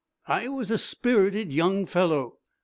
"I was a spirited young fellow."